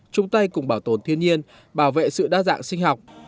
chung tay cùng bảo tồn thiên nhiên bảo vệ sự đa dạng sinh học